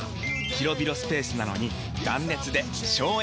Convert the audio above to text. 広々スペースなのに断熱で省エネ！